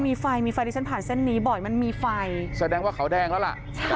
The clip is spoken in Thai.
มีไฟมีไฟที่ฉันผ่านเส้นนี้บ่อยมันมีไฟแสดงว่าขาวแดงแล้วล่ะ